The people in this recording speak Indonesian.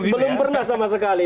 belum pernah sama sekali